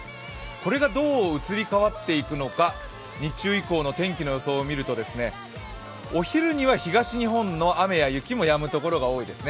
これがどう移り変わっていくのか日中以降の天気の予想を見ると、お昼には東日本の雨や雪もやむところが多いですね。